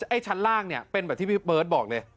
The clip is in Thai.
ไอ้ชั้นล่างเนี่ยเป็นแบบที่พี่เบิร์ตบอกเลย